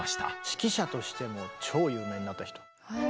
指揮者としても超有名になった人。